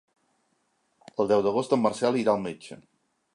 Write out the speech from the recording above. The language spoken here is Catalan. El deu d'agost en Marcel irà al metge.